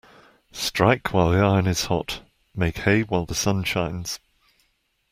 Strike while the iron is hot Make hay while the sun shines.